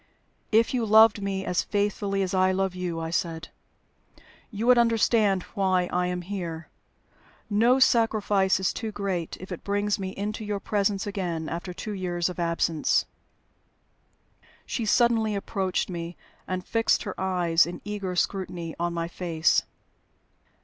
"If you loved me as faithfully as I love you," I said, "you would understand why I am here. No sacrifice is too great if it brings me into your presence again after two years of absence." She suddenly approached me, and fixed her eyes in eager scrutiny on my face.